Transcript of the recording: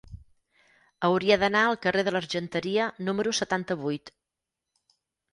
Hauria d'anar al carrer de l'Argenteria número setanta-vuit.